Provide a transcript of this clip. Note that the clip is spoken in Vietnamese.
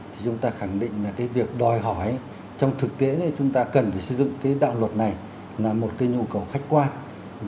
thì chúng ta khẳng định là cái việc đòi hỏi trong thực tế là chúng ta cần phải xây dựng cái đạo luật này là một cái nhu cầu khách quan